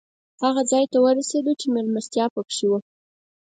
هغه ځای ته ورسېدو چې مېلمستیا پکې وه.